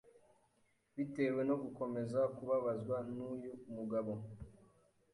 bitewe no gukomeza kubabazwa n’uyu mugabo.